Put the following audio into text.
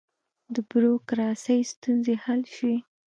د بروکراسۍ ستونزې حل شوې؟